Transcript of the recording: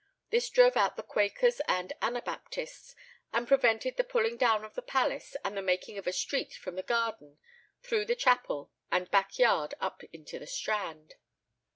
This drove out the Quakers and Anabaptists, and prevented the pulling down of the palace and the making of a street from the garden through the chapel and back yard up into the Strand.